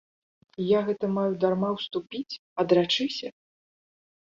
І я гэта маю дарма ўступіць, адрачыся?